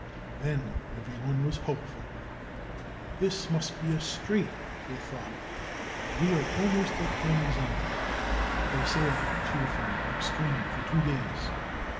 Then every one was hope ful. '' This must be a strait," they thought, "and we are almost at our journey's end." They sailed cheerfully upstream for two days.